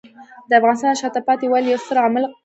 د افغانستان د شاته پاتې والي یو ستر عامل قبیلې نظام دی.